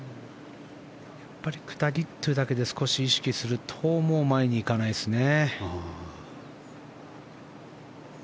下りというだけで少し意識するともう、前に行かないですね。